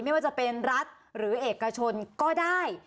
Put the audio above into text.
ไม่ว่าจะเป็นรัฐหรือเอกชนก็ได้